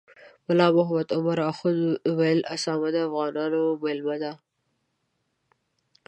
ملا محمد عمر اخند ویل اسامه د افغانانو میلمه دی.